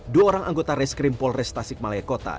dua orang anggota reskrim polres tasikmalaya kota